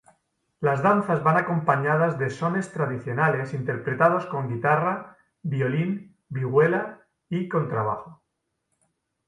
Las danzas van acompañadas de sones tradicionales interpretados con guitarra, violín, vihuela y contrabajo.